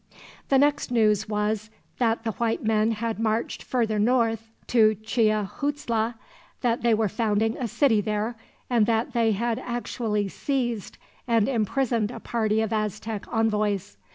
The next news was, that the white men had marched farther north to Chiahuitztla, that they were founding a city there, and that they had actually seized and imprisoned a party of Aztec envoys.